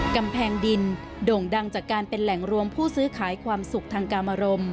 กำแพงดินโด่งดังจากการเป็นแหล่งรวมผู้ซื้อขายความสุขทางกรรมรม